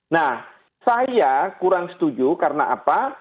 nah saya kurang setuju karena apa